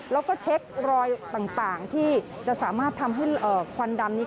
แล้วก็เช็ครอยต่างที่จะสามารถทำให้ควันดำนี้